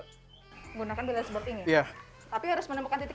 tapi harus menemukan titik